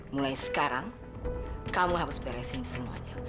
mulai sekarang kamu harus beresin semuanya